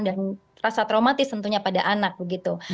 dan rasa traumatis tentunya pada anak begitu